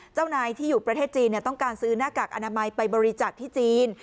เจ้านายที่อยู่ประเทศจีนต้องการซื้อหน้ากากอนามัยไปบริจาคที่จีน